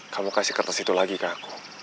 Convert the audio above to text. kamu kasih kertas itu lagi ke aku